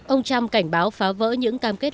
ông trump cảnh báo phá vỡ những cam kết